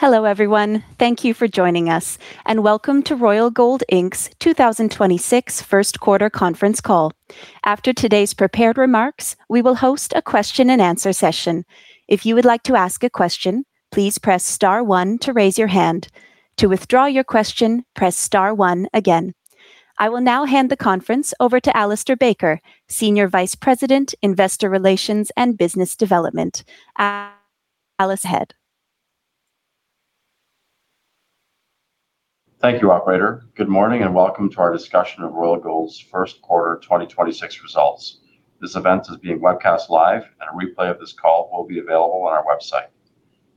Hello, everyone. Thank you for joining us, and welcome to Royal Gold Inc's 2026 1st quarter conference call. After today's prepared remarks, we will host a question and answer session. I will now hand the conference over to Alistair Baker, Senior Vice President, Investor Relations and Business Development. Alistair, ahead. Thank you, operator. Good morning, welcome to our discussion of Royal Gold's first quarter 2026 results. This event is being webcast live, a replay of this call will be available on our website.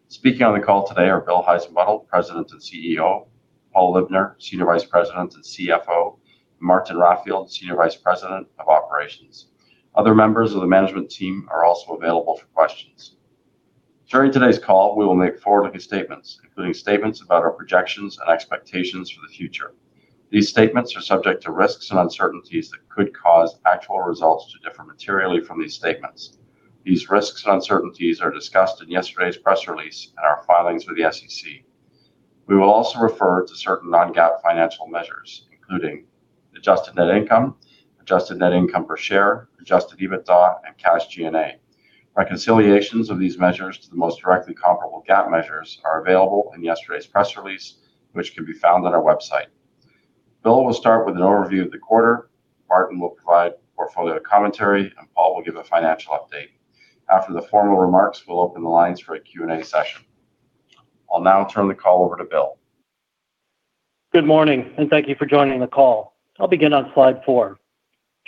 Speaking on the call today are Bill Heissenbuttel, President and CEO; Paul Libner, Senior Vice President and CFO; Martin Raffield, Senior Vice President of Operations. Other members of the management team are also available for questions. During today's call, we will make forward-looking statements, including statements about our projections and expectations for the future. These statements are subject to risks and uncertainties that could cause actual results to differ materially from these statements. These risks and uncertainties are discussed in yesterday's press release and our filings with the SEC. We will also refer to certain non-GAAP financial measures, including adjusted net income, adjusted net income per share, Adjusted EBITDA, cash G&A. Reconciliations of these measures to the most directly comparable GAAP measures are available in yesterday's press release, which can be found on our website. Bill will start with an overview of the quarter, Martin will provide portfolio commentary, and Paul will give a financial update. After the formal remarks, we'll open the lines for a Q&A session. I'll now turn the call over to Bill. Good morning, and thank you for joining the call. I'll begin on slide four.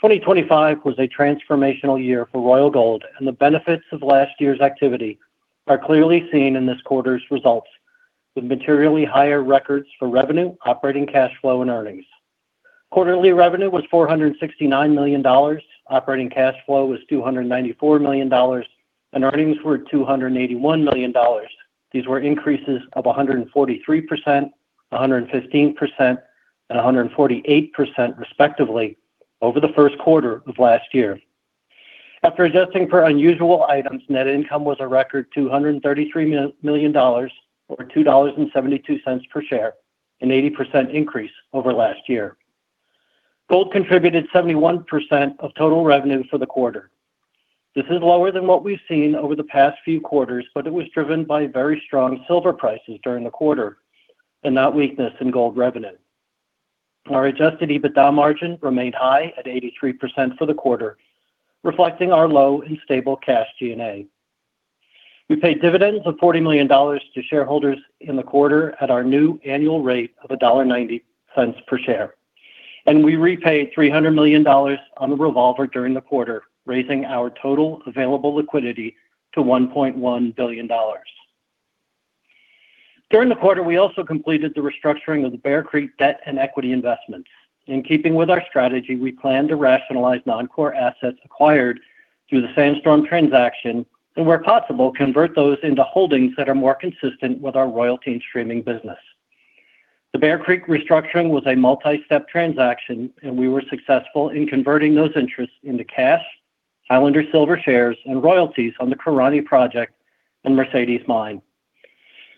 2025 was a transformational year for Royal Gold, the benefits of last year's activity are clearly seen in this quarter's results, with materially higher records for revenue, operating cash flow, and earnings. Quarterly revenue was $469 million, operating cash flow was $294 million, earnings were $281 million. These were increases of 143%, 115%, and 148% respectively over the first quarter of last year. After adjusting for unusual items, net income was a record $233 million, or $2.72 per share, an 80% increase over last year. Gold contributed 71% of total revenue for the quarter. This is lower than what we've seen over the past few quarters, but it was driven by very strong silver prices during the quarter and not weakness in gold revenue. Our Adjusted EBITDA margin remained high at 83% for the quarter, reflecting our low and stable cash G&A. We paid dividends of $40 million to shareholders in the quarter at our new annual rate of $1.90 per share, and we repaid $300 million on the revolver during the quarter, raising our total available liquidity to $1.1 billion. During the quarter, we also completed the restructuring of the Bear Creek debt and equity investment. In keeping with our strategy, we plan to rationalize non-core assets acquired through the Sandstorm transaction and, where possible, convert those into holdings that are more consistent with our royalty and streaming business. The Bear Creek restructuring was a multi-step transaction. We were successful in converting those interests into cash, Highlander Silver shares, and royalties on the Corani project and Mercedes mine.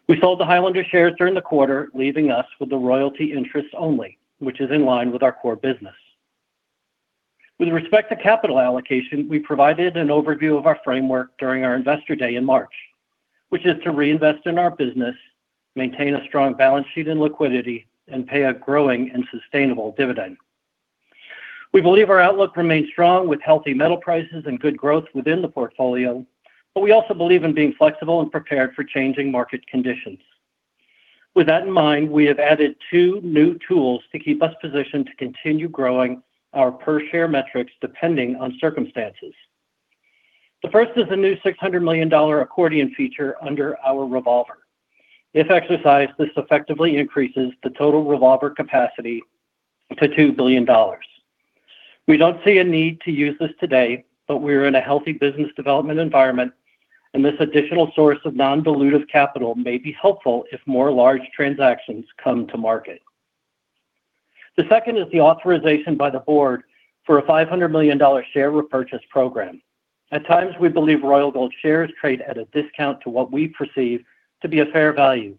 We sold the Highlander shares during the quarter, leaving us with the royalty interest only, which is in line with our core business. With respect to capital allocation, we provided an overview of our framework during our Investor Day in March, which is to reinvest in our business, maintain a strong balance sheet and liquidity, and pay a growing and sustainable dividend. We believe our outlook remains strong with healthy metal prices and good growth within the portfolio. We also believe in being flexible and prepared for changing market conditions. With that in mind, we have added two new tools to keep us positioned to continue growing our per share metrics depending on circumstances. The first is a new $600 million accordion feature under our revolver. If exercised, this effectively increases the total revolver capacity to $2 billion. We don't see a need to use this today, but we're in a healthy business development environment, and this additional source of non-dilutive capital may be helpful if more large transactions come to market. The second is the authorization by the board for a $500 million share repurchase program. At times, we believe Royal Gold shares trade at a discount to what we perceive to be a fair value,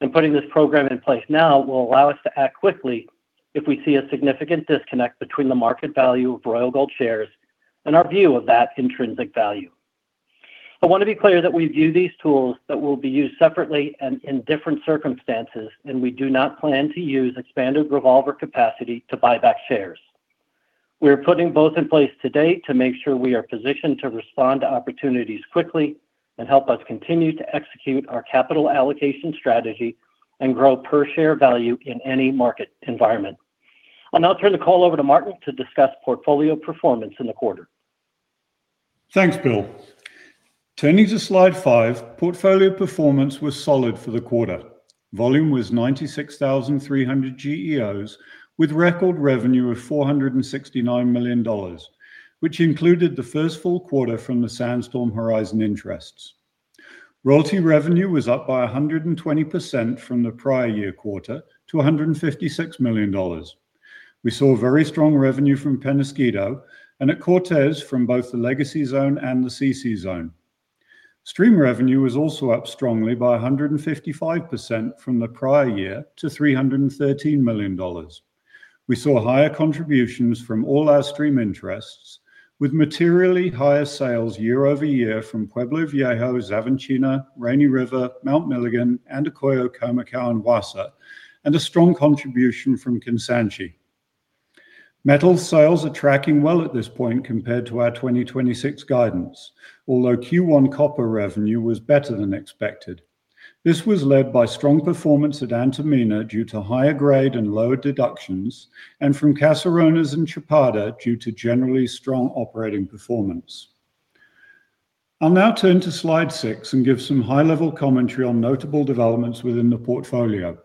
and putting this program in place now will allow us to act quickly if we see a significant disconnect between the market value of Royal Gold shares and our view of that intrinsic value. I want to be clear that we view these tools that will be used separately and in different circumstances, and we do not plan to use expanded revolver capacity to buy back shares. We are putting both in place today to make sure we are positioned to respond to opportunities quickly and help us continue to execute our capital allocation strategy and grow per share value in any market environment. I'll now turn the call over to Martin to discuss portfolio performance in the quarter. Thanks, Bill. Turning to slide five, portfolio performance was solid for the quarter. Volume was 96,300 GEOs with record revenue of $469 million, which included the first full quarter from the Sandstorm Horizon interests. Royalty revenue was up by 120% from the prior year quarter to $156 million. We saw very strong revenue from Penasquito and at Cortez from both the Legacy Zone and the CC Zone. Stream revenue was also up strongly by 155% from the prior year to $313 million. We saw higher contributions from all our stream interests, with materially higher sales year-over-year from Pueblo Viejo, Xavantina, Rainy River, Mount Milligan, Antapaccay, Khoemacau, and Wassa, and a strong contribution from Kansanshi. Metal sales are tracking well at this point compared to our 2026 guidance, although Q1 copper revenue was better than expected. This was led by strong performance at Antamina due to higher grade and lower deductions, and from Caserones and Chapada due to generally strong operating performance. I'll now turn to slide six and give some high-level commentary on notable developments within the portfolio.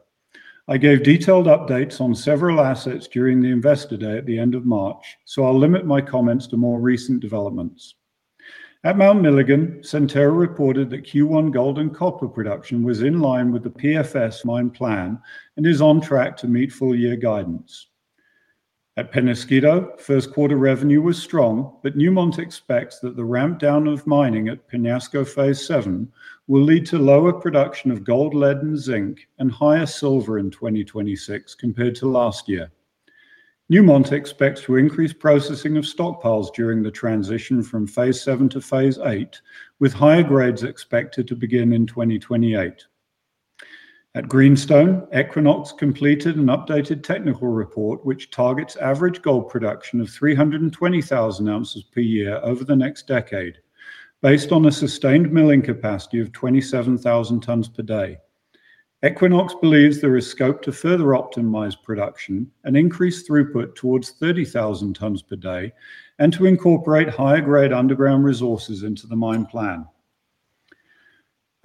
I gave detailed updates on several assets during the investor day at the end of March, so I'll limit my comments to more recent developments. At Mount Milligan, Centerra reported that Q1 gold and copper production was in line with the PFS mine plan and is on track to meet full year guidance. At Penasquito, first quarter revenue was strong, but Newmont expects that the ramp down of mining at Peñasco phase 7 will lead to lower production of gold, lead, and zinc, and higher silver in 2026 compared to last year. Newmont expects to increase processing of stockpiles during the transition from phase 7-phase 8, with higher grades expected to begin in 2028. At Greenstone, Equinox completed an updated technical report which targets average gold production of 320,000 ounces per year over the next decade, based on a sustained milling capacity of 27,000 tons per day. Equinox believes there is scope to further optimize production and increase throughput towards 30,000 tons per day, and to incorporate higher grade underground resources into the mine plan.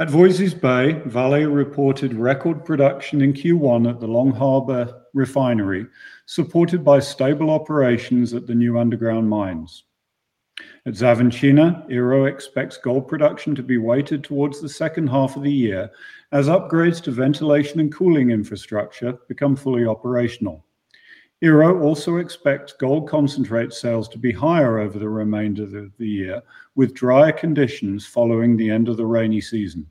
At Voisey's Bay, Vale reported record production in Q1 at the Long Harbour refinery, supported by stable operations at the new underground mines. At Xavantina, Ero expects gold production to be weighted towards the second half of the year as upgrades to ventilation and cooling infrastructure become fully operational. Ero also expects gold concentrate sales to be higher over the remainder of the year, with drier conditions following the end of the rainy season.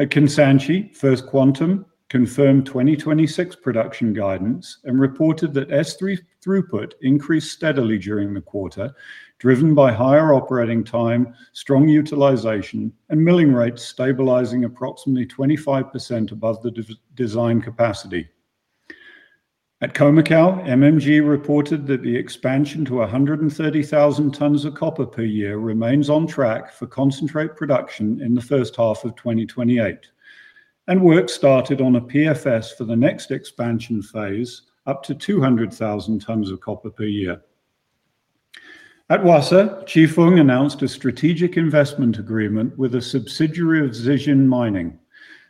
At Kansanshi, First Quantum confirmed 2026 production guidance and reported that S3 throughput increased steadily during the quarter, driven by higher operating time, strong utilization, and milling rates stabilizing approximately 25% above the design capacity. At Khoemacau, MMG reported that the expansion to 130,000 tons of copper per year remains on track for concentrate production in the first half of 2028, and work started on a PFS for the next expansion phase up to 200,000 tons of copper per year. At Wassa, Chifeng Gold announced a strategic investment agreement with a subsidiary of Zijin Mining.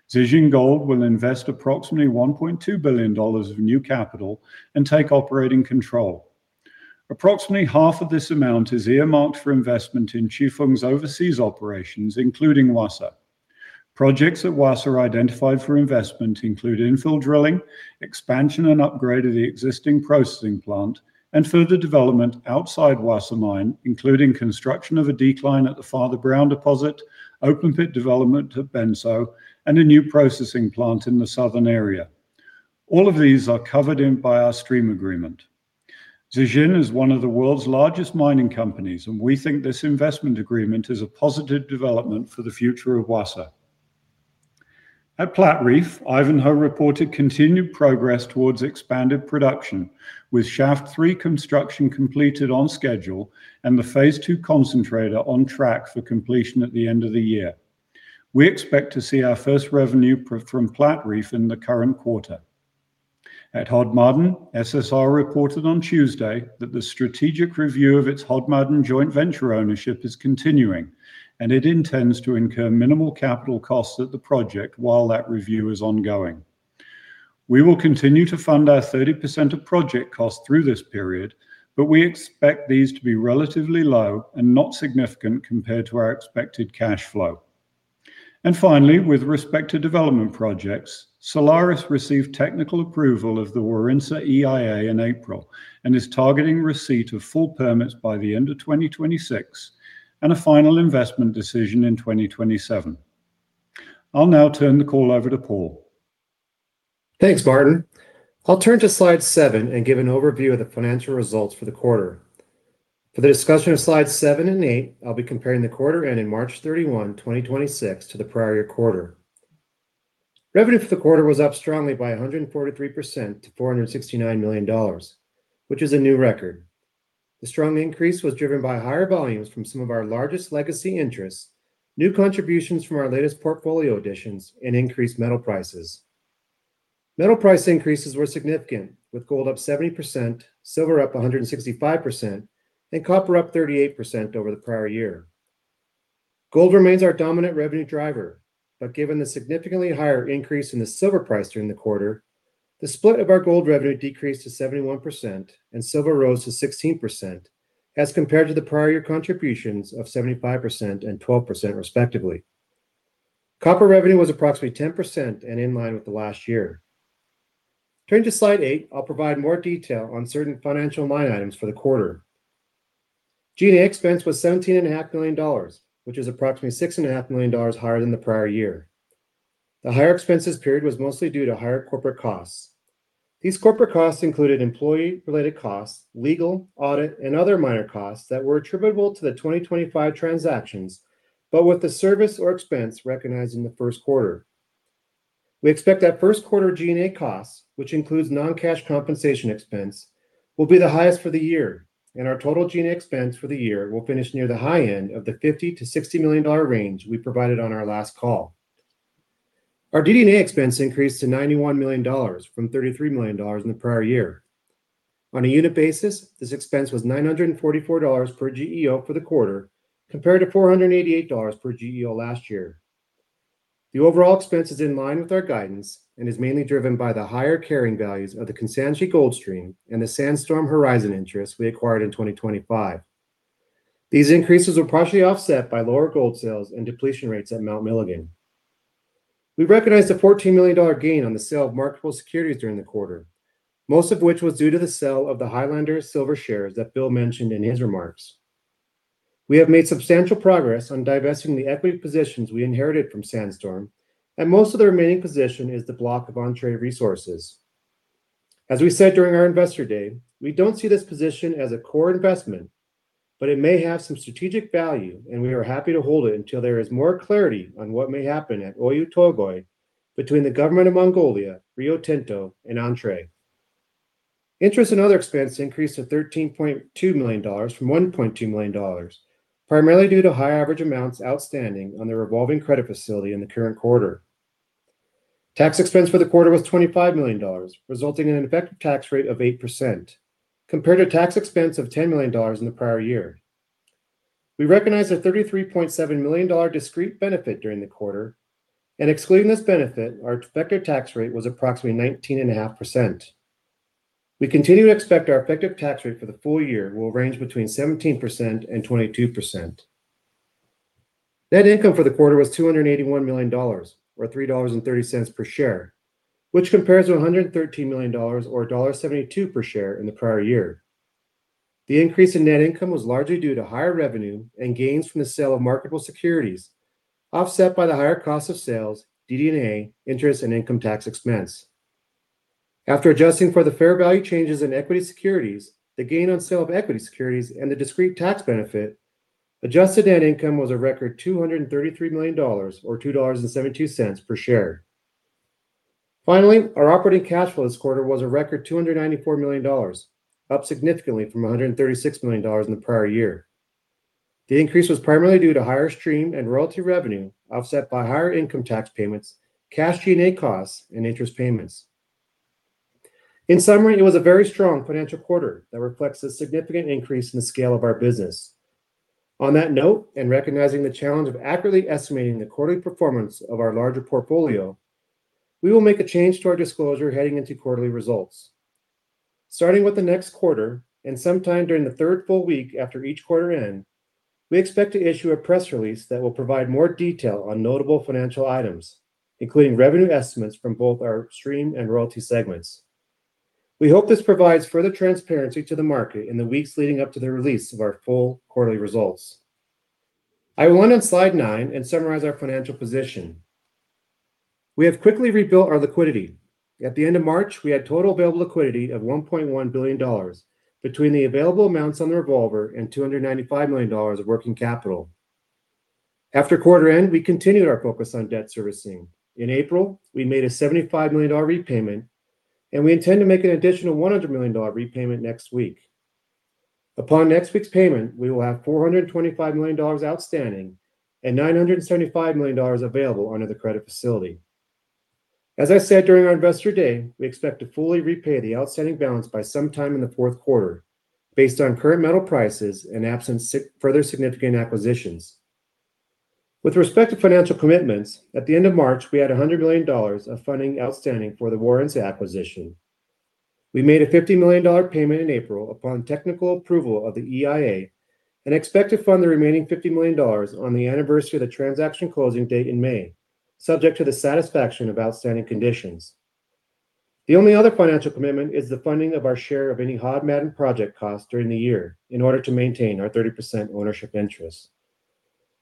Zijin Gold International will invest approximately $1.2 billion of new capital and take operating control. Approximately half of this amount is earmarked for investment in Chifeng Gold's overseas operations, including Wassa. Projects at Wassa identified for investment include infill drilling, expansion and upgrade of the existing processing plant, and further development outside Wassa Mine, including construction of a decline at the Father Brown deposit, open pit development at Benso, and a new processing plant in the southern area. All of these are covered in by our stream agreement. Zijin is one of the world's largest mining companies, and we think this investment agreement is a positive development for the future of Wassa. At Platreef, Ivanhoe reported continued progress towards expanded production with shaft 3 construction completed on schedule and the phase 2 concentrator on track for completion at the end of the year. We expect to see our first revenue from Platreef in the current quarter. At Hod Maden, SSR reported on Tuesday that the strategic review of its Hod Maden joint venture ownership is continuing, and it intends to incur minimal capital costs at the project while that review is ongoing. We will continue to fund our 30% of project costs through this period, but we expect these to be relatively low and not significant compared to our expected cash flow. Finally, with respect to development projects, Solaris received technical approval of the Warintza EIA in April and is targeting receipt of full permits by the end of 2026 and a final investment decision in 2027. I'll now turn the call over to Paul. Thanks, Martin. I'll turn to slide seven and give an overview of the financial results for the quarter. For the discussion of slide seven and eight, I'll be comparing the quarter ending March 31, 2026 to the prior quarter. Revenue for the quarter was up strongly by 143% to $469 million, which is a new record. The strong increase was driven by higher volumes from some of our largest legacy interests, new contributions from our latest portfolio additions, and increased metal prices. Metal price increases were significant, with gold up 70%, silver up 165%, and copper up 38% over the prior year. Gold remains our dominant revenue driver, given the significantly higher increase in the silver price during the quarter, the split of our gold revenue decreased to 71% and silver rose to 16% as compared to the prior year contributions of 75% and 12% respectively. Copper revenue was approximately 10% and in line with the last year. Turn to slide 8, I'll provide more detail on certain financial line items for the quarter. G&A expense was $17.5 million, which is approximately $6.5 million higher than the prior year. The higher expenses period was mostly due to higher corporate costs. These corporate costs included employee related costs, legal, audit, and other minor costs that were attributable to the 2025 transactions, with the service or expense recognized in the first quarter. We expect that first quarter G&A costs, which includes non-cash compensation expense, will be the highest for the year, and our total G&A expense for the year will finish near the high end of the $50 million-$60 million range we provided on our last call. Our DD&A expense increased to $91 million from $33 million in the prior year. On a unit basis, this expense was $944 per GEO for the quarter, compared to $488 per GEO last year. The overall expense is in line with our guidance and is mainly driven by the higher carrying values of the Kansanshi Gold Stream and the Sandstorm Horizon interest we acquired in 2025. These increases were partially offset by lower gold sales and depletion rates at Mount Milligan. We recognized a $14 million gain on the sale of marketable securities during the quarter, most of which was due to the sale of the Highlander Silver shares that Bill mentioned in his remarks. We have made substantial progress on divesting the equity positions we inherited from Sandstorm. Most of the remaining position is the block of Entrée Resources. As we said during our Investor Day, we don't see this position as a core investment. It may have some strategic value. We are happy to hold it until there is more clarity on what may happen at Oyu Tolgoi between the government of Mongolia, Rio Tinto, and Entrée. Interest and other expense increased to $13.2 million from $1.2 million, primarily due to high average amounts outstanding on the revolving credit facility in the current quarter. Tax expense for the quarter was $25 million, resulting in an effective tax rate of 8%, compared to tax expense of $10 million in the prior year. We recognized a $33.7 million discrete benefit during the quarter, and excluding this benefit, our effective tax rate was approximately 19.5%. We continue to expect our effective tax rate for the full year will range between 17% and 22%. Net income for the quarter was $281 million or $3.30 per share, which compares to $113 million or $1.72 per share in the prior year. The increase in net income was largely due to higher revenue and gains from the sale of marketable securities, offset by the higher cost of sales, DD&A, interest, and income tax expense. After adjusting for the fair value changes in equity securities, the gain on sale of equity securities, and the discrete tax benefit, adjusted net income was a record $233 million or $2.72 per share. Finally, our operating cash flow this quarter was a record $294 million, up significantly from $136 million in the prior year. The increase was primarily due to higher stream and royalty revenue, offset by higher income tax payments, cash G&A costs, and interest payments. In summary, it was a very strong financial quarter that reflects a significant increase in the scale of our business. On that note, and recognizing the challenge of accurately estimating the quarterly performance of our larger portfolio, we will make a change to our disclosure heading into quarterly results. Starting with the next quarter, sometime during the third full week after each quarter end, we expect to issue a press release that will provide more detail on notable financial items, including revenue estimates from both our stream and royalty segments. We hope this provides further transparency to the market in the weeks leading up to the release of our full quarterly results. I went on slide nine and summarize our financial position. We have quickly rebuilt our liquidity. At the end of March, we had total available liquidity of $1.1 billion between the available amounts on the revolver and $295 million of working capital. After quarter end, we continued our focus on debt servicing. In April, we made a $75 million repayment, we intend to make an additional $100 million repayment next week. Upon next week's payment, we will have $425 million outstanding and $975 million available under the credit facility. As I said during our Investor Day, we expect to fully repay the outstanding balance by sometime in the fourth quarter based on current metal prices and absence further significant acquisitions. With respect to financial commitments, at the end of March, we had $100 million of funding outstanding for the warrants acquisition. We made a $50 million payment in April upon technical approval of the EIA and expect to fund the remaining $50 million on the anniversary of the transaction closing date in May, subject to the satisfaction of outstanding conditions. The only other financial commitment is the funding of our share of any Hod Maden project cost during the year in order to maintain our 30% ownership interest.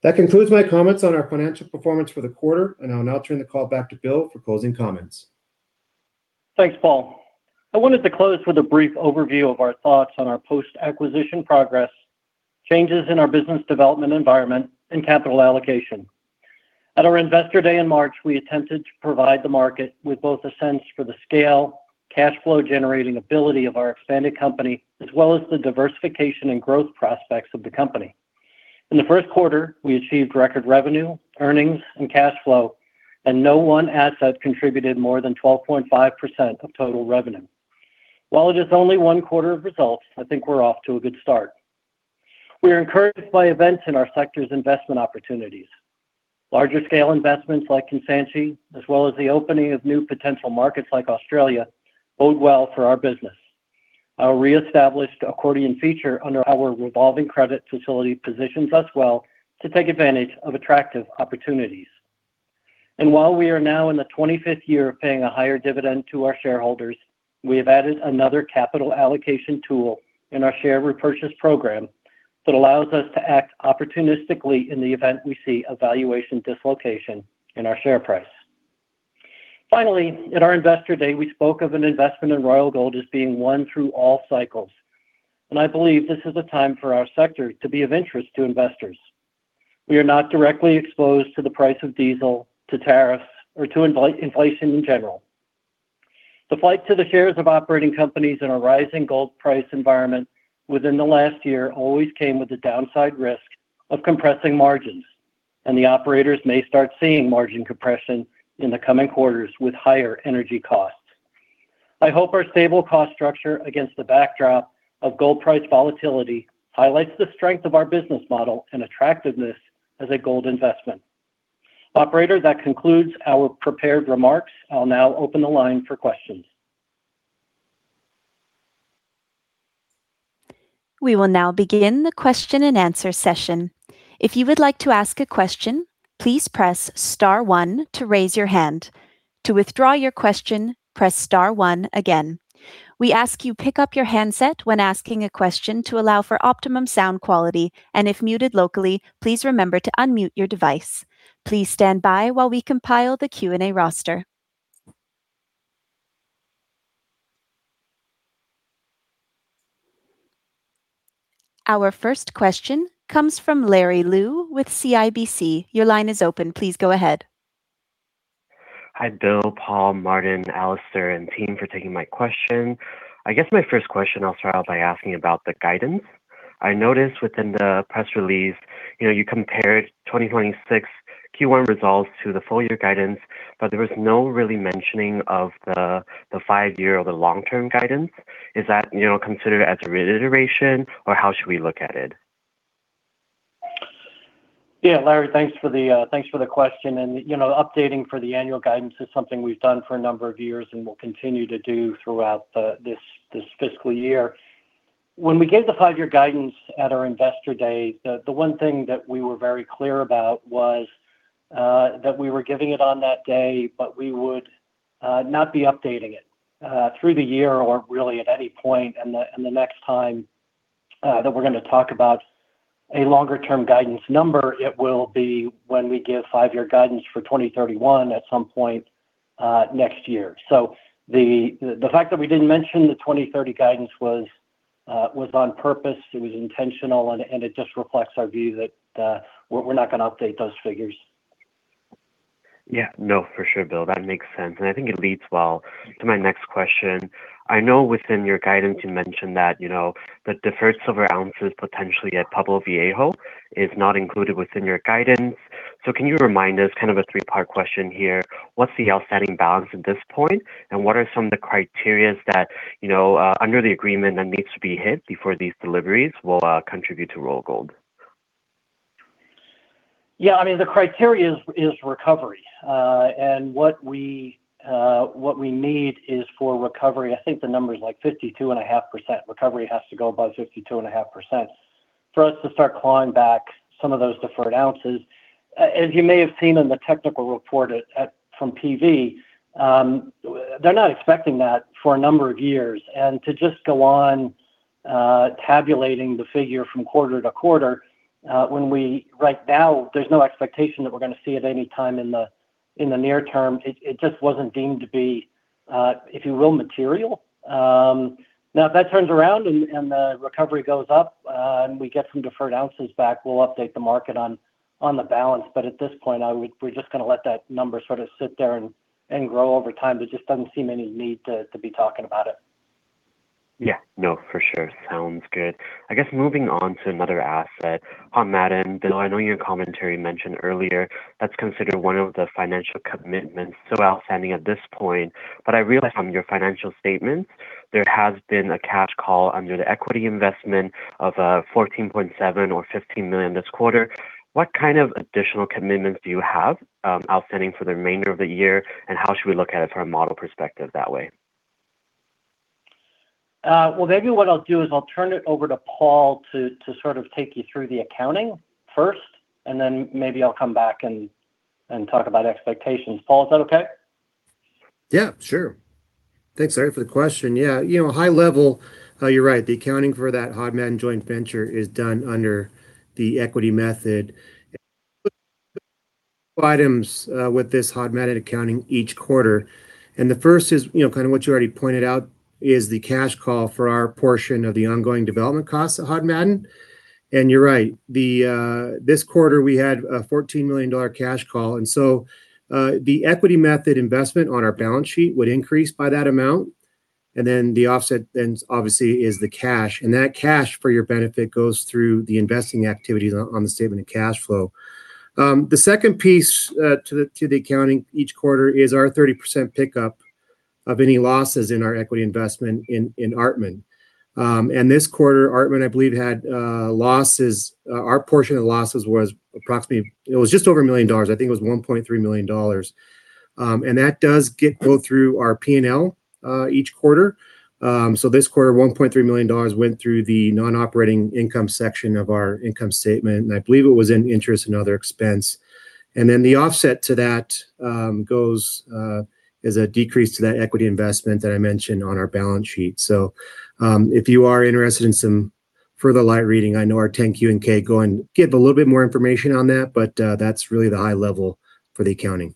That concludes my comments on our financial performance for the quarter, and I'll now turn the call back to Bill for closing comments. Thanks, Paul. I wanted to close with a brief overview of our thoughts on our post-acquisition progress, changes in our business development environment, and capital allocation. At our Investor Day in March, we attempted to provide the market with both a sense for the scale, cash flow generating ability of our expanded company, as well as the diversification and growth prospects of the company. In the first quarter, we achieved record revenue, earnings, and cash flow. No one asset contributed more than 12.5% of total revenue. While it is only one quarter of results, I think we're off to a good start. We are encouraged by events in our sector's investment opportunities. Larger scale investments like Kansanshi, as well as the opening of new potential markets like Australia, bode well for our business. Our reestablished accordion feature under our revolving credit facility positions us well to take advantage of attractive opportunities. While we are now in the 25th year of paying a higher dividend to our shareholders, we have added another capital allocation tool in our share repurchase program that allows us to act opportunistically in the event we see a valuation dislocation in our share price. At our Investor Day, we spoke of an investment in Royal Gold as being one through all cycles, and I believe this is a time for our sector to be of interest to investors. We are not directly exposed to the price of diesel, to tariffs, or to inflation in general. The flight to the shares of operating companies in a rising gold price environment within the last year always came with a downside risk of compressing margins, and the operators may start seeing margin compression in the coming quarters with higher energy costs. I hope our stable cost structure against the backdrop of gold price volatility highlights the strength of our business model and attractiveness as a gold investment. Operator, that concludes our prepared remarks. I will now open the line for questions. Our first question comes from Larry Lu with CIBC. Your line is open. Please go ahead. Hi, Bill, Paul, Martin, Alistair, and team, for taking my question. I guess my first question, I will start out by asking about the guidance. I noticed within the press release, you know, you compared 2026 Q1 results to the full year guidance, but there was no really mentioning of the five-year or the long-term guidance. Is that, you know, considered as a reiteration, or how should we look at it? Yeah, Larry, thanks for the thanks for the question. You know, updating for the annual guidance is something we've done for a number of years and will continue to do throughout this fiscal year. When we gave the five-year guidance at our Investor Day, the one thing that we were very clear about was that we were giving it on that day, but we would not be updating it through the year or really at any point. The next time that we're gonna talk about a longer-term guidance number, it will be when we give five-year guidance for 2031 at some point next year. The fact that we didn't mention the 2030 guidance was on purpose, it was intentional, and it just reflects our view that we're not gonna update those figures. Yeah. No, for sure, Bill, that makes sense. I think it leads well to my next question. I know within your guidance you mentioned that, you know, the deferred silver ounces potentially at Pueblo Viejo is not included within your guidance. Can you remind us, kind of a three-part question here, what's the outstanding balance at this point, and what are some of the criteria that, you know, under the agreement that needs to be hit before these deliveries will contribute to Royal Gold? Yeah, I mean, the criteria is recovery. What we need is for recovery, I think the number is, like, 52.5%. Recovery has to go above 52.5% for us to start clawing back some of those deferred ounces. As you may have seen in the technical report at, from PV, they're not expecting that for a number of years. To just go on tabulating the figure from quarter to quarter, right now there's no expectation that we're gonna see it any time in the near term, it just wasn't deemed to be, if you will, material. Now if that turns around and the recovery goes up, and we get some deferred ounces back, we'll update the market on the balance. At this point, we're just gonna let that number sort of sit there and grow over time. There just doesn't seem any need to be talking about it. Yeah. No, for sure. Sounds good. I guess moving on to another asset, on that end, Bill, I know your commentary mentioned earlier that's considered one of the financial commitments still outstanding at this point. I realize from your financial statements there has been a cash call under the equity investment of $14.7 million or $15 million this quarter. What kind of additional commitments do you have outstanding for the remainder of the year, and how should we look at it from a model perspective that way? Well maybe what I'll do is I'll turn it over to Paul to sort of take you through the accounting first, and then maybe I'll come back and talk about expectations. Paul, is that okay? Sure. Thanks, Larry, for the question. You know, high level, you're right, the accounting for that Hod Maden joint venture is done under the equity method. Items with this Hod Maden accounting each quarter, and the first is, you know, kind of what you already pointed out, is the cash call for our portion of the ongoing development costs at Hod Maden. You're right, the this quarter we had a $14 million cash call. The equity method investment on our balance sheet would increase by that amount. The offset obviously is the cash. That cash, for your benefit, goes through the investing activities on the statement of cash flow. The second piece to the accounting each quarter is our 30% pickup of any losses in our equity investment in Artmin. This quarter, Artmin, I believe, had losses. Our portion of losses was approximately $1.3 million. That does go through our P&L each quarter. This quarter, $1.3 million went through the non-operating income section of our income statement, and I believe it was in interest and other expense. The offset to that goes as a decrease to that equity investment that I mentioned on our balance sheet. If you are interested in some further light reading, I know our 10-Q and K go and give a little bit more information on that is really the high level for the accounting.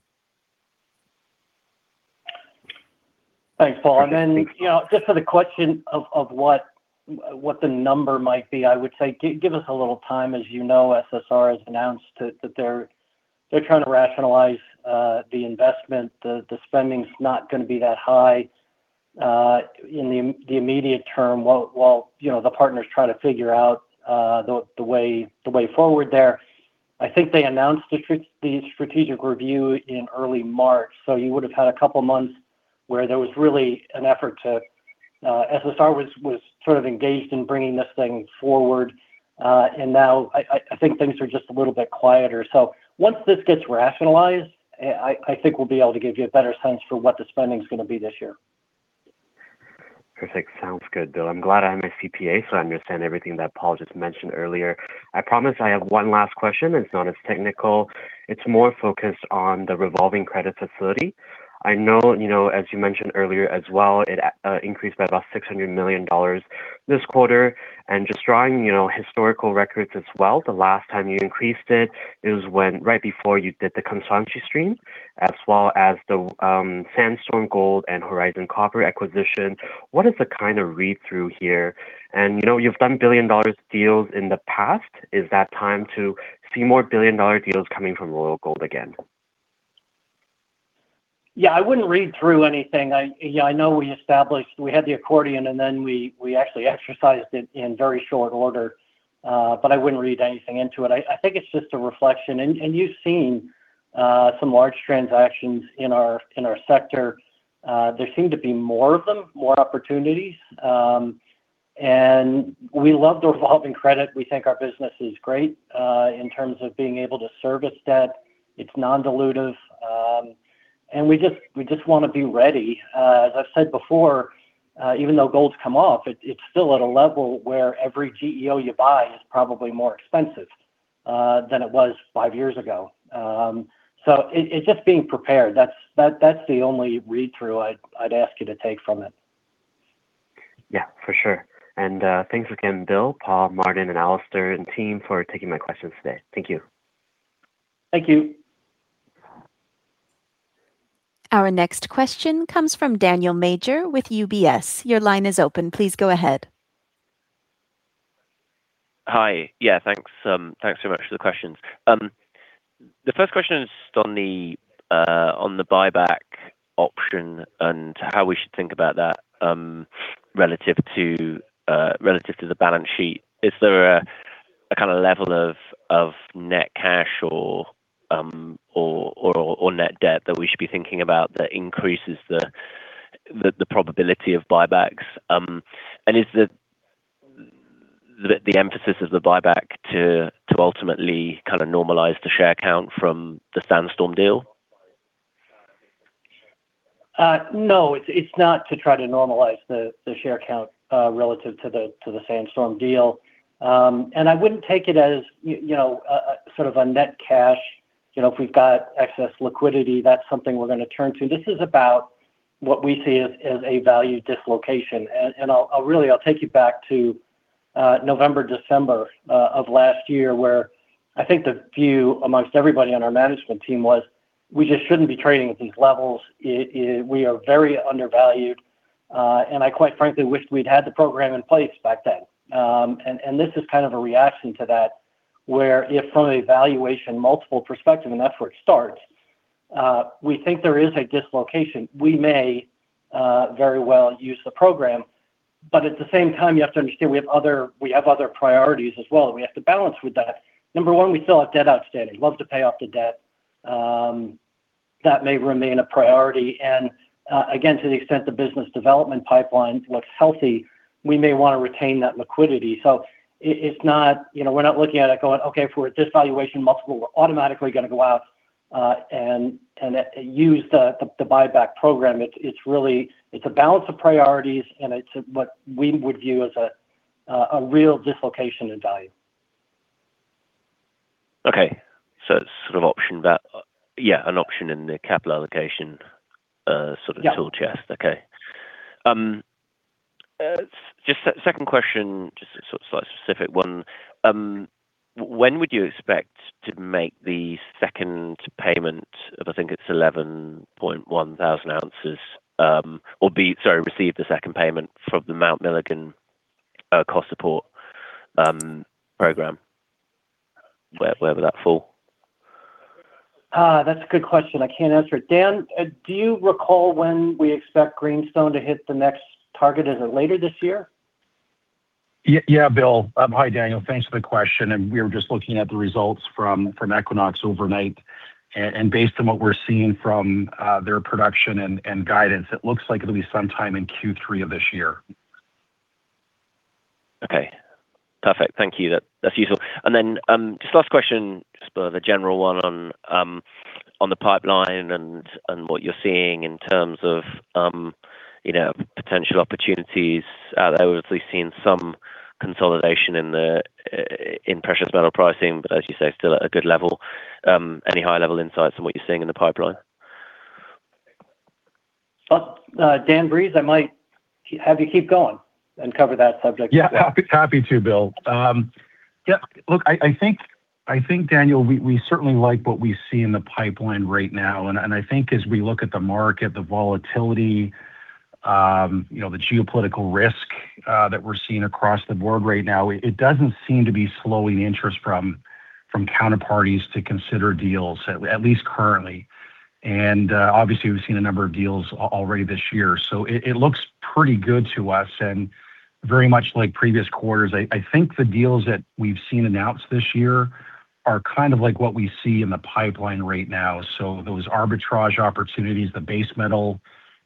Thanks, Paul. Then, you know, just for the question of what the number might be, I would say give us a little time. As you know, SSR has announced that they're trying to rationalize the investment. The spending's not gonna be that high in the immediate term while, you know, the partners try to figure out the way forward there. I think they announced the strategic review in early March. You would have had a couple of months where there was really an effort to SSR was sort of engaged in bringing this thing forward. Now I think things are just a little bit quieter. Once this gets rationalized, I think we'll be able to give you a better sense for what the spending is going to be this year. Perfect. Sounds good, Bill. I'm glad I'm a CPA, so I understand everything that Paul just mentioned earlier. I promise I have one last question. It's not as technical. It's more focused on the revolving credit facility. I know, you know, as you mentioned earlier as well, it increased by about $600 million this quarter. Just drawing, you know, historical records as well, the last time you increased it is when right before you did the Kansanshi stream, as well as the Sandstorm Gold and Horizon Copper acquisition. What is the kind of read-through here? You know, you've done billion-dollar deals in the past. Is that time to see more billion-dollar deals coming from Royal Gold again? I wouldn't read through anything. I know we established we had the accordion, and then we actually exercised it in very short order. I wouldn't read anything into it. I think it's just a reflection. You've seen some large transactions in our sector. There seem to be more of them, more opportunities. We love the revolving credit. We think our business is great in terms of being able to service debt. It's non-dilutive. We just wanna be ready. As I've said before, even though gold's come off, it's still at a level where every GEO you buy is probably more expensive than it was 5 years ago. It's just being prepared. That's the only read-through I'd ask you to take from it. Yeah, for sure. Thanks again, Bill, Paul, Martin, and Alistair and team for taking my questions today. Thank you. Thank you. Our next question comes from Daniel Major with UBS. Your line is open. Please go ahead. Hi. Yeah, thanks very much for the questions. The first question is on the buyback option and how we should think about that relative to the balance sheet. Is there a kind of level of net cash or net debt that we should be thinking about that increases the probability of buybacks? Is the emphasis of the buyback to ultimately kind of normalize the share count from the Sandstorm deal? No, it's not to try to normalize the share count relative to the Sandstorm deal. I wouldn't take it as you know, a sort of a net cash. You know, if we've got excess liquidity, that's something we're gonna turn to. This is about what we see as a value dislocation. I'll really take you back to November, December of last year, where I think the view amongst everybody on our management team was we just shouldn't be trading at these levels. It, we are very undervalued. I quite frankly wished we'd had the program in place back then. This is kind of a reaction to that, where if from a valuation multiple perspective, and that's where it starts, we think there is a dislocation. We may very well use the program, but at the same time, you have to understand we have other priorities as well, and we have to balance with that. Number one, we still have debt outstanding. Love to pay off the debt. That may remain a priority. Again, to the extent the business development pipeline looks healthy, we may wanna retain that liquidity. It's not, you know, we're not looking at it going, "Okay, if we're at this valuation multiple, we're automatically gonna go out and use the buyback program." It's really a balance of priorities, and it's what we would view as a real dislocation in value. Okay. It's sort of option that, yeah, an option in the capital allocation. Yeah tool chest. Okay. Second question, just a sort of slight specific one. When would you expect to make the second payment of, I think it's 11.1 thousand ounces, or, sorry, receive the second payment from the Mount Milligan cost support program? Where, where would that fall? That's a good question. I can't answer it. Dan, do you recall when we expect Greenstone to hit the next target? Is it later this year? Yeah, yeah, Bill. Hi, Daniel. Thanks for the question. We were just looking at the results from Equinox overnight. Based on what we're seeing from their production and guidance, it looks like it'll be sometime in Q3 of this year. Okay. Perfect. Thank you. That's useful. Just last question, just for the general one on the pipeline and what you're seeing in terms of, you know, potential opportunities. Obviously seeing some consolidation in precious metal pricing, but as you say, still at a good level. Any high level insights on what you're seeing in the pipeline? Well, Daniel Breeze, I might have you keep going and cover that subject. Happy to, Bill. Look, I think, Daniel, we certainly like what we see in the pipeline right now, and I think as we look at the market, the volatility, you know, the geopolitical risk that we're seeing across the board right now, it doesn't seem to be slowing interest from counterparties to consider deals, at least currently. Obviously we've seen a number of deals already this year, so it looks pretty good to us, and very much like previous quarters. I think the deals that we've seen announced this year are kind of like what we see in the pipeline right now. Those arbitrage opportunities, the base metal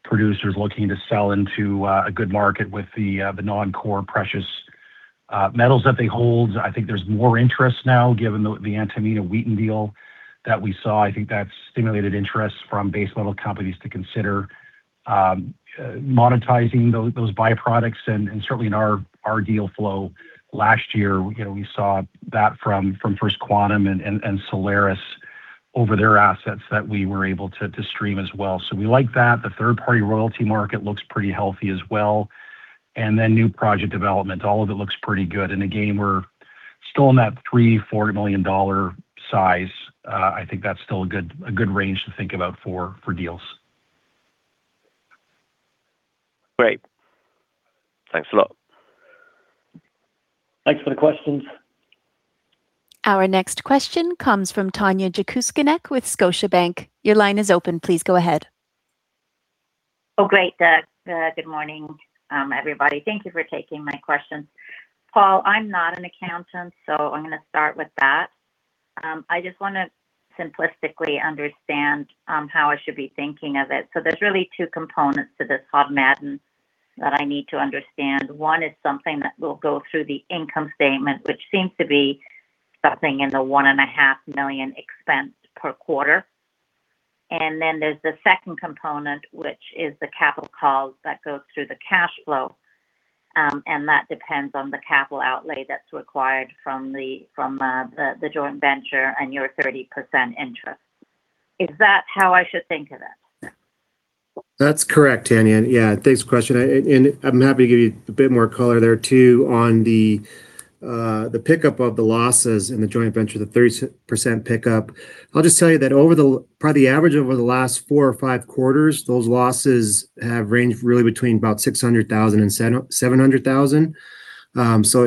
producers looking to sell into a good market with the non-core precious metals that they hold. I think there's more interest now given the Antamina/Wheaton deal that we saw. I think that's stimulated interest from base level companies to consider monetizing those byproducts. Certainly in our deal flow last year, you know, we saw that from First Quantum and Solaris over their assets that we were able to stream as well. We like that. The third party royalty market looks pretty healthy as well. New project development, all of it looks pretty good. Again, we're still in that $3 million-$4 million size. I think that's still a good range to think about for deals. Great. Thanks a lot. Thanks for the questions. Our next question comes from Tanya Jakusconek with Scotiabank. Your line is open. Please go ahead. Great. Good morning, everybody. Thank you for taking my question. Paul, I'm not an accountant, so I'm gonna start with that. I just wanna simplistically understand how I should be thinking of it. There's really two components to this Hod Maden that I need to understand. One is something that will go through the income statement, which seems to be something in the one and a half million expense per quarter. And then there's the second component, which is the capital calls that goes through the cash flow, and that depends on the capital outlay that's required from the joint venture and your 30% interest. Is that how I should think of it? That's correct, Tanya. Thanks for the question. I'm happy to give you a bit more color there too on the pickup of the losses in the joint venture, the 30% pickup. I'll just tell you that over the probably the average over the last four or five quarters, those losses have ranged really between about $600,000 and $700,000.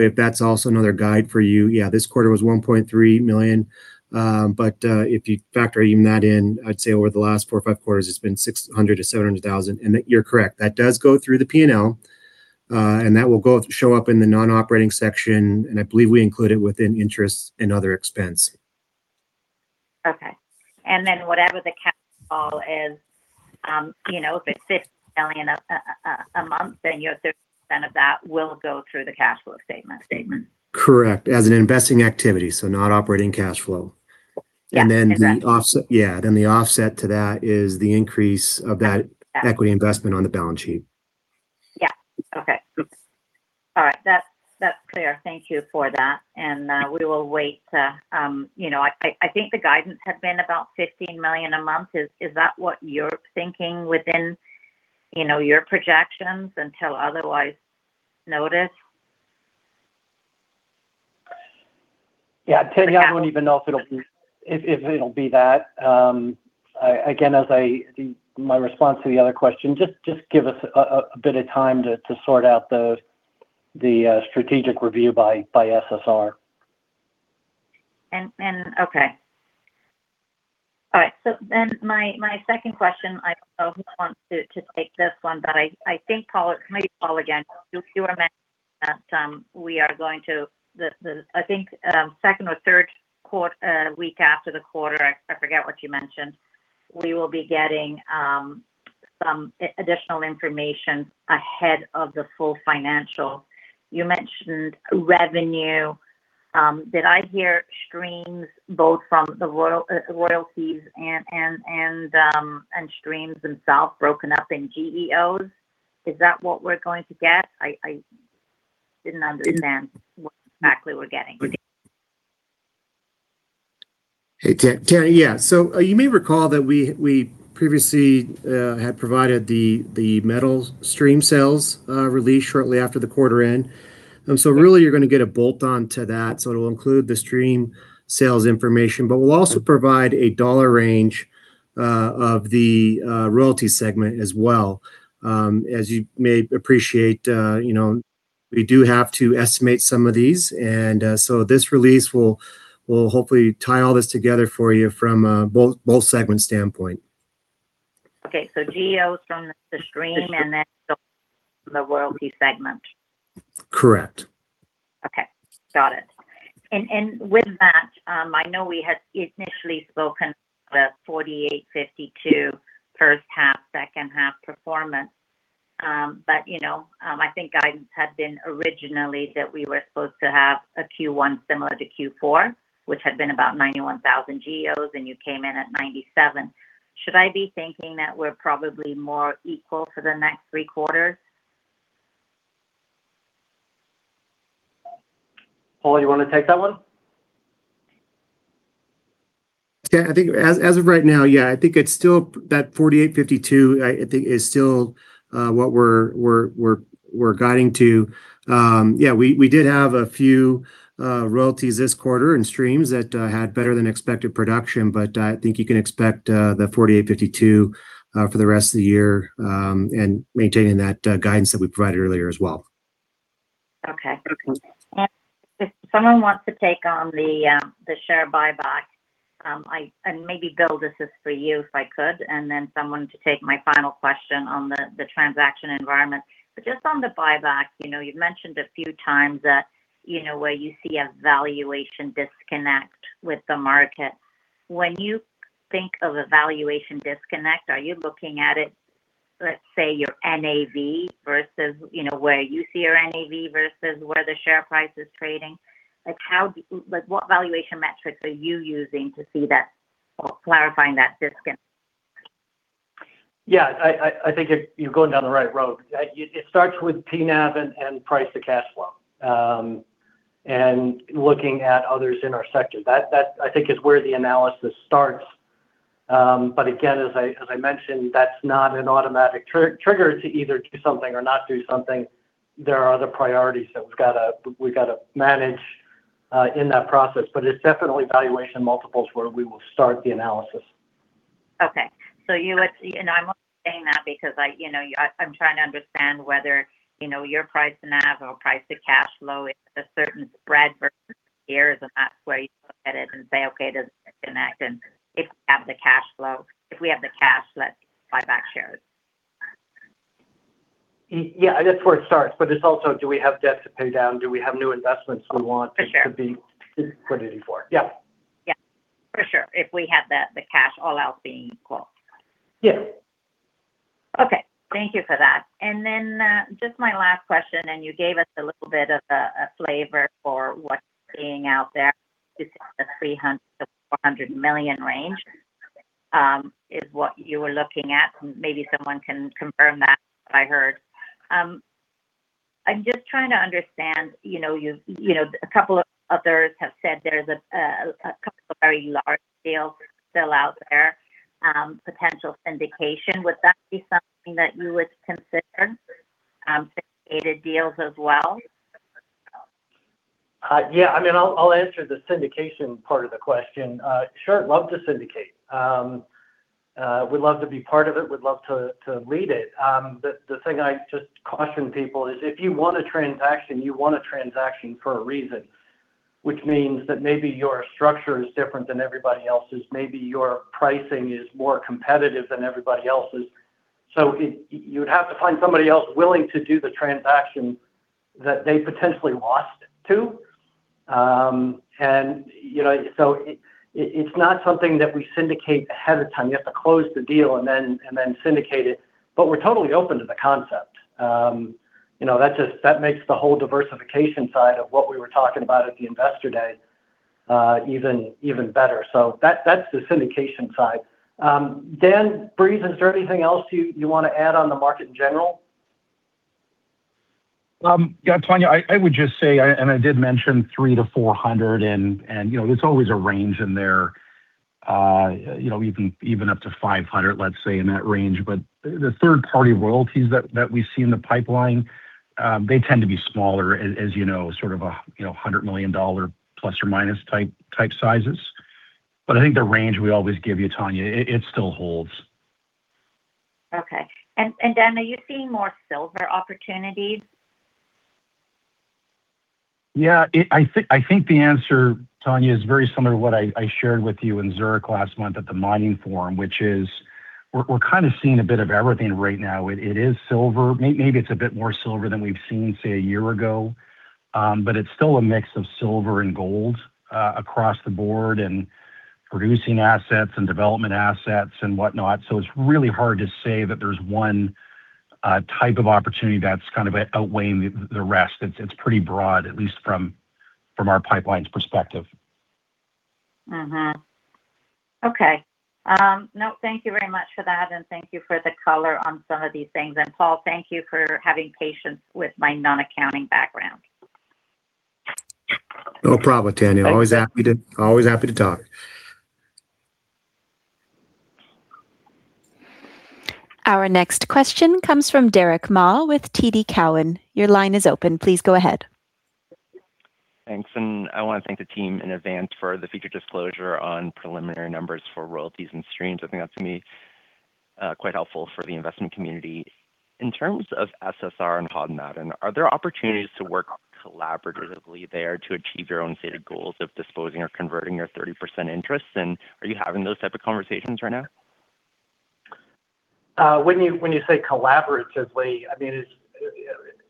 If that's also another guide for you. This quarter was $1.3 million. If you factor even that in, I'd say over the last four or five quarters, it's been $600,000-$700,000. That you're correct. That does go through the P&L. That will show up in the non-operating section, and I believe we include it within interests and other expense. Okay. Whatever the capital call is, you know, if it's $50 million a month, then your 30% of that will go through the cash flow statement. Correct. As an investing activity, so not operating cash flow. Yeah, exactly. Yeah, then the offset to that is the increase of that. Yeah equity investment on the balance sheet. Yeah. Okay. All right. That's clear. Thank you for that. We will wait to, you know, I think the guidance had been about $15 million a month. Is that what you're thinking within, you know, your projections until otherwise noticed? Yeah. Tanya, I don't even know if it'll be, if it'll be that. Again, as my response to the other question, just give us a bit of time to sort out the strategic review by SSR. Okay. All right. My second question, I don't know who wants to take this one, but I think Paul, it may be Paul again. You were mentioning that, we are going to the, I think, second or third week after the quarter, I forget what you mentioned, we will be getting additional information ahead of the full financial. You mentioned revenue. Did I hear streams both from the royalties and streams themselves broken up in GEOs? Is that what we're going to get? I didn't understand what exactly we're getting? Hey, Tanya. Yeah. You may recall that we previously had provided the metal stream sales release shortly after the quarter end. Really, you're gonna get a bolt on to that, so it'll include the stream sales information, but we'll also provide a dollar range of the royalty segment as well. As you may appreciate, you know, we do have to estimate some of these and this release will hopefully tie all this together for you from both segments standpoint. Okay, GEOs from the stream and then the royalty segment. Correct. Okay. Got it. With that, I know we had initially spoken about 48-52 first half, second half performance. I think guidance had been originally that we were supposed to have a Q1 similar to Q4, which had been about 91,000 GEOs, and you came in at 97. Should I be thinking that we're probably more equal for the next three quarters? You wanna take that one? I think as of right now, I think it's still that 48-52, I think is still what we're guiding to. We did have a few royalties this quarter and streams that had better than expected production. I think you can expect the 48-52 for the rest of the year, and maintaining that guidance that we provided earlier as well. Okay. If someone wants to take on the share buyback, and maybe Bill, this is for you, if I could, and then someone to take my final question on the transaction environment. Just on the buyback, you know, you've mentioned a few times that, you know, where you see a valuation disconnect with the market. When you think of a valuation disconnect, are you looking at it, let's say, your NAV versus, you know, where you see your NAV versus where the share price is trading? Like, what valuation metrics are you using to see that or clarifying that disconnect? Yeah. I think you're going down the right road. It starts with P/NAV and price to cash flow, and looking at others in our sector. That, I think, is where the analysis starts. Again, as I mentioned, that's not an automatic trigger to either do something or not do something. There are other priorities that we've gotta manage in that process. It's definitely valuation multiples where we will start the analysis. Okay. I'm only saying that because I, you know, I'm trying to understand whether, you know, your price to NAV or price to cash flow is a certain spread versus shares, and that's where you look at it and say, "Okay, there's a disconnect, and if we have the cash flow, if we have the cash, let's buy back shares. Yeah, that's where it starts. It's also, do we have debt to pay down? Do we have new investments we want- For sure. to be considering for? Yeah. Yeah. For sure, if we had the cash all else being equal. Yeah. Okay. Thank you for that. Just my last question, you gave us a little bit of a flavor for what's being out there. You said the $300 million-$400 million range is what you were looking at. Maybe someone can confirm that, what I heard. I'm just trying to understand, you know, a couple of others have said there's a couple of very large deals still out there, potential syndication. Would that be something that you would consider, syndicated deals as well? Yeah. I mean, I'll answer the syndication part of the question. Sure, love to syndicate. We'd love to be part of it, we'd love to lead it. The thing I just caution people is if you want a transaction, you want a transaction for a reason, which means that maybe your structure is different than everybody else's. Maybe your pricing is more competitive than everybody else's. You would have to find somebody else willing to do the transaction that they potentially lost it to. You know, so it's not something that we syndicate ahead of time. You have to close the deal and then syndicate it. We're totally open to the concept. You know, that just, that makes the whole diversification side of what we were talking about at the Investor Day, even better. That, that's the syndication side. Daniel Breeze, is there anything else you wanna add on the market in general? Yeah, Tanya, I would just say, I did mention $300-$400. You know, there's always a range in there. You know, even up to $500, let say, in that range. The third-party royalties that we see in the pipeline, they tend to be smaller, as you know. Sort of a, you know, $100 million plus or minus type sizes. I think the range we always give you, Tanya, it still holds. Okay. Dan, are you seeing more silver opportunities? Yeah. I think the answer, Tanya, is very similar to what I shared with you in Zurich last month at the Mining Forum, which is we're kind of seeing a bit of everything right now. It is silver. Maybe it's a bit more silver than we've seen, say, one year ago. It's still a mix of silver and gold across the board, and producing assets and development assets and whatnot. It's really hard to say that there's one type of opportunity that's kind of outweighing the rest. It's pretty broad, at least from our pipeline's perspective. Okay. no, thank you very much for that, and thank you for the color on some of these things. Paul, thank you for having patience with my non-accounting background. No problem, Tanya. Always happy to talk. Our next question comes from Derick Ma with TD Cowen. Your line is open. Please go ahead. Thanks. I want to thank the team in advance for the future disclosure on preliminary numbers for royalties and streams. I think that's going to be quite helpful for the investment community. In terms of SSR and Hod Maden, are there opportunities to work collaboratively there to achieve your own stated goals of disposing or converting your 30% interest? Are you having those type of conversations right now? When you say collaboratively, I mean, it's, you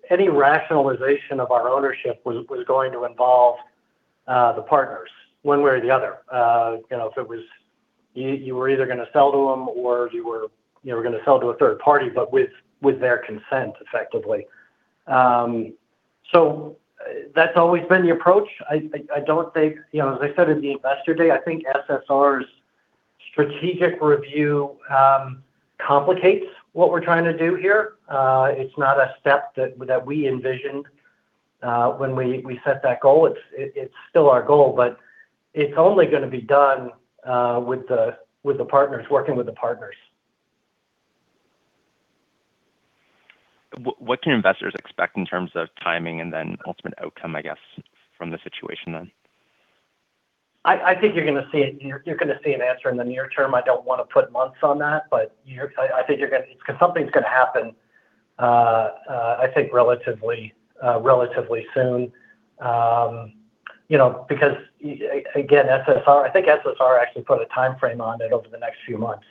know, any rationalization of our ownership was going to involve the partners one way or the other. You know, if it was you were either gonna sell to them or you were, you know, were gonna sell to a third party, but with their consent effectively. That's always been the approach. I don't think You know, as I said in the investor day, I think SSR's strategic review complicates what we're trying to do here. It's not a step that we envisioned when we set that goal. It's still our goal, but it's only gonna be done with the partners, working with the partners. What can investors expect in terms of timing and then ultimate outcome, I guess, from the situation then? I think you're gonna see an answer in the near term. I don't wanna put months on that, I think you're gonna. Something's gonna happen, I think relatively soon. You know, again, SSR actually put a timeframe on it over the next few months.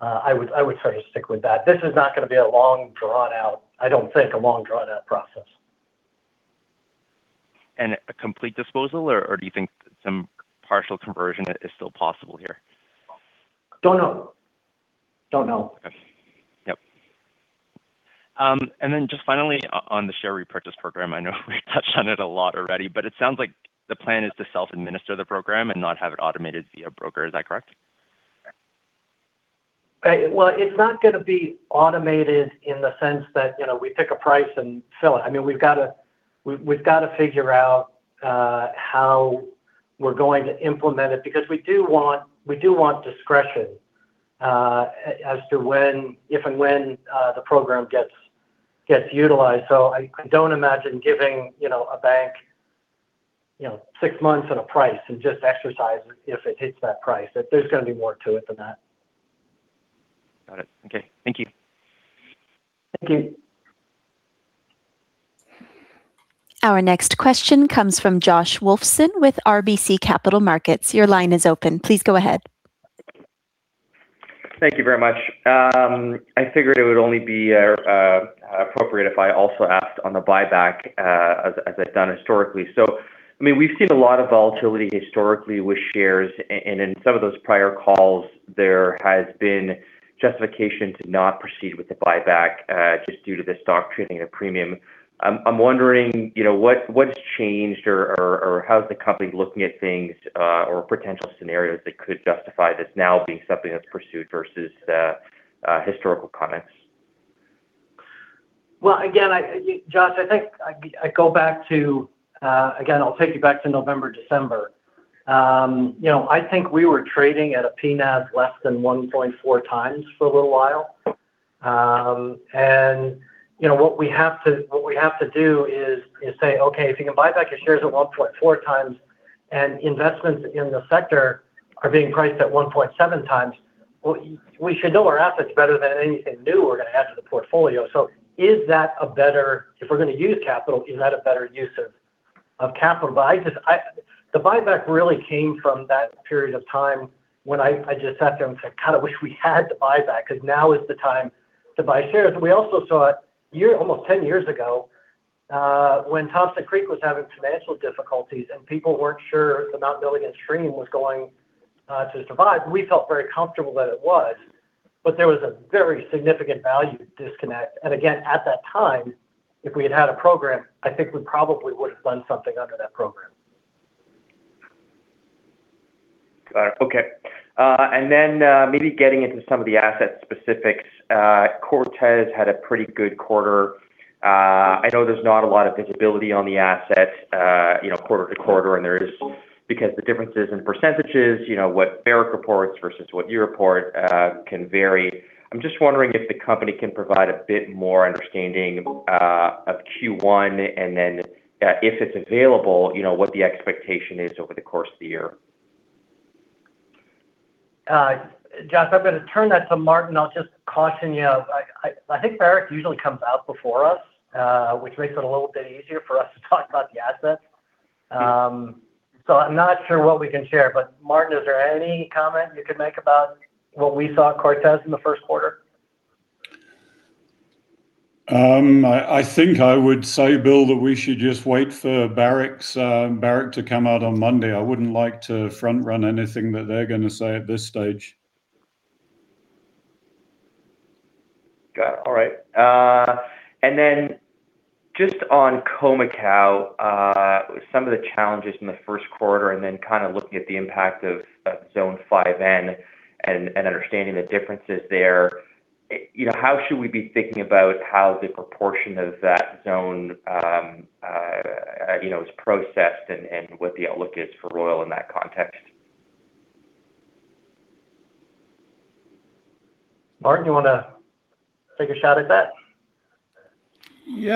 I would sort of stick with that. This is not gonna be a long, drawn out, I don't think, a long, drawn out process. A complete disposal or do you think some partial conversion is still possible here? Don't know. Don't know. Okay. Yep. Then just finally, on the share repurchase program, I know we touched on it a lot already, but it sounds like the plan is to self-administer the program and not have it automated via broker. Is that correct? Well, it's not gonna be automated in the sense that, you know, we pick a price and sell it. I mean, we've gotta figure out how we're going to implement it because we do want, we do want discretion as to when, if and when, the program gets utilized. I don't imagine giving, you know, a bank, you know, six months and a price and just exercise it if it hits that price. There's gonna be more to it than that. Got it. Okay. Thank you. Thank you. Our next question comes from Josh Wolfson with RBC Capital Markets. Your line is open. Please go ahead. Thank you very much. I figured it would only be appropriate if I also asked on the buyback as I've done historically. I mean, we've seen a lot of volatility historically with shares and in some of those prior calls, there has been justification to not proceed with the buyback just due to the stock trading at a premium. I'm wondering, you know, what's changed or how is the company looking at things or potential scenarios that could justify this now being something that's pursued versus historical comments? Well, again, I, Josh, I think I go back to again, I'll take you back to November, December. You know, I think we were trading at a P/NAV less than 1.4x for a little while. You know, what we have to do is say, "Okay, if you can buy back your shares at 1.4x and investments in the sector are being priced at 1.7x, well, we should know our assets better than anything new we're going to add to the portfolio." If we're going to use capital, is that a better use of capital? The buyback really came from that period of time when I just sat there and said, "God, I wish we had the buyback," because now is the time to buy shares. We also saw a year, almost 10 years ago, when Thompson Creek was having financial difficulties and people weren't sure if the Mount Milligan stream was going to survive. We felt very comfortable that it was, but there was a very significant value disconnect. Again, at that time, if we had had a program, I think we probably would have done something under that program. Got it. Okay. Then, maybe getting into some of the asset specifics. Cortez had a pretty good quarter. I know there's not a lot of visibility on the assets, you know, quarter-to-quarter, and there is because the differences in percentages, you know, what Barrick reports versus what you report, can vary. I'm just wondering if the company can provide a bit more understanding of Q1, then, if it's available, you know, what the expectation is over the course of the year. Josh, I'm gonna turn that to Martin. I'll just caution you. I think Barrick usually comes out before us, which makes it a little bit easier for us to talk about the assets. I'm not sure what we can share. Martin, is there any comment you could make about what we saw at Cortez in the first quarter? I think I would say, Bill, that we should just wait for Barrick to come out on Monday. I wouldn't like to front run anything that they're gonna say at this stage. Got it. All right. Just on Khoemacau, some of the challenges in the first quarter and then kind of looking at the impact of zone 5N and understanding the differences there. You know, how should we be thinking about how the proportion of that zone, you know, is processed and what the outlook is for Royal in that context? Martin, you wanna take a shot at that? They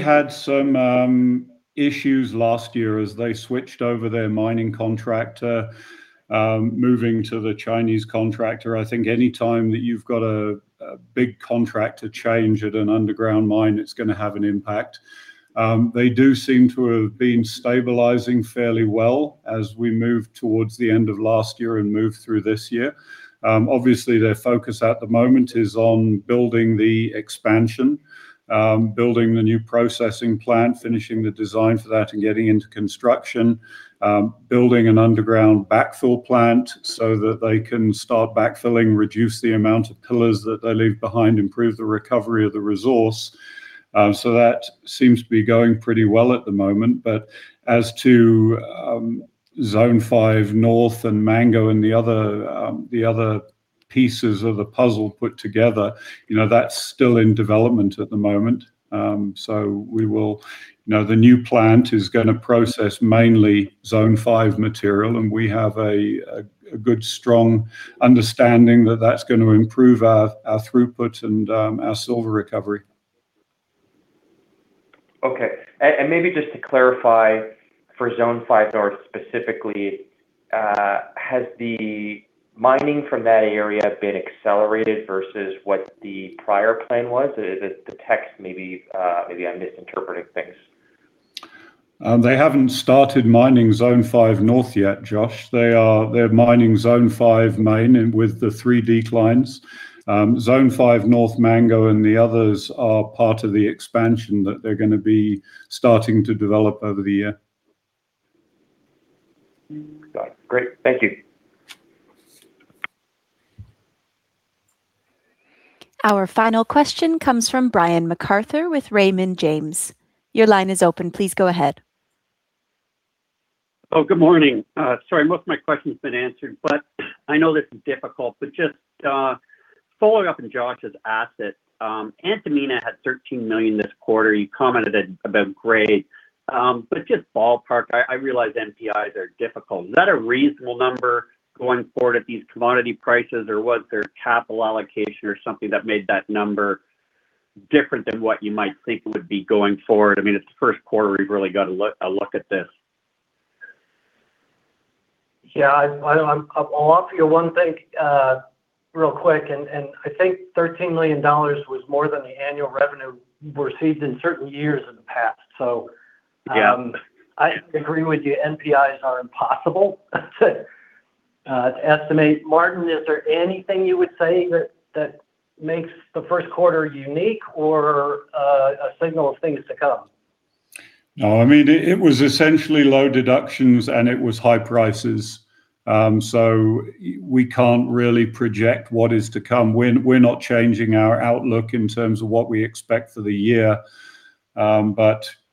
had some issues last year as they switched over their mining contractor, moving to the Chinese contractor. I think any time that you've got a big contractor change at an underground mine, it's going to have an impact. They do seem to have been stabilizing fairly well as we move towards the end of last year and move through this year. Obviously, their focus at the moment is on building the expansion, building the new processing plant, finishing the design for that and getting into construction. Building an underground backfill plant so that they can start backfilling, reduce the amount of pillars that they leave behind, improve the recovery of the resource. That seems to be going pretty well at the moment. As to Zone 5 North and Mango and the other, the other pieces of the puzzle put together, that's still in development at the moment. The new plant is gonna process mainly Zone 5 material, and we have a good strong understanding that that's gonna improve our throughput and our silver recovery. Okay. Maybe just to clarify for Zone 5 North specifically, has the mining from that area been accelerated versus what the prior plan was? Is it the text maybe I'm misinterpreting things. They haven't started mining Zone 5 North yet, Josh. They're mining Zone 5 main and with the three declines. Zone 5 North Mango and the others are part of the expansion that they're gonna be starting to develop over the year. Got it. Great. Thank you. Our final question comes from Brian MacArthur with Raymond James. Your line is open. Please go ahead. Good morning. Sorry most of my question's been answered, but I know this is difficult. Just following up on Josh's asset, Antamina had $13 million this quarter. You commented about grade. Just ballpark, I realize NPIs are difficult. Is that a reasonable number going forward at these commodity prices, or was there capital allocation or something that made that number different than what you might think would be going forward? I mean, it's the first quarter. We've really got to look at this. I'll offer you one thing, real quick, I think $13 million was more than the annual revenue we received in certain years in the past. Yeah I agree with you, NPIs are impossible to estimate. Martin, is there anything you would say that makes the first quarter unique or a signal of things to come? No. I mean, it was essentially low deductions, and it was high prices. We can't really project what is to come. We're not changing our outlook in terms of what we expect for the year.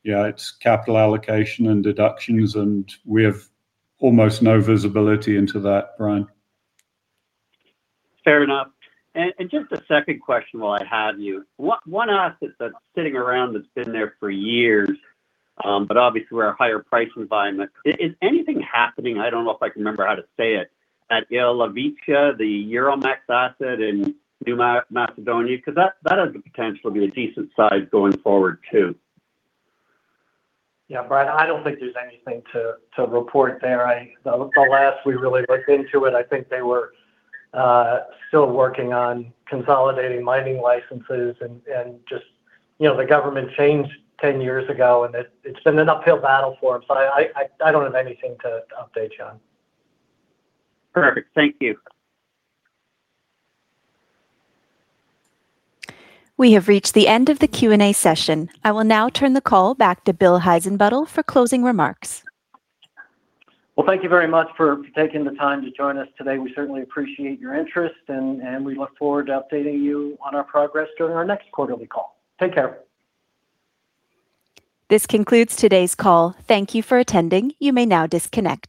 Yeah, it's capital allocation and deductions, and we have almost no visibility into that, Brian. Fair enough. Just a second question while I have you. One asset that's sitting around that's been there for years, but obviously we're a higher price environment. Is anything happening, I don't know if I can remember how to say it, at Ilovica, the Euromax asset in North Macedonia? That has the potential to be a decent size going forward too. Yeah, Brian, I don't think there's anything to report there. The last we really looked into it, I think they were still working on consolidating mining licenses and just You know, the government changed 10 years ago, and it's been an uphill battle for them. I don't have anything to update you on. Perfect. Thank you. We have reached the end of the Q&A session. I will now turn the call back to Bill Heissenbuttel for closing remarks. Well, thank you very much for taking the time to join us today. We certainly appreciate your interest, and we look forward to updating you on our progress during our next quarterly call. Take care. This concludes today's call. Thank you for attending. You may now disconnect.